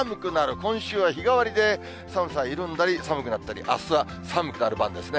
今週は日替わりで寒さ緩んだり、寒くなったり、あすは寒くなる番ですね。